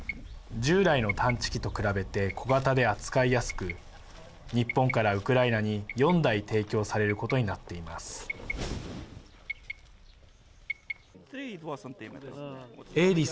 従来の探知機と比べて小型で扱いやすく日本からウクライナに４台提供されることになっています。